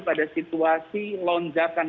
pada situasi lonjakan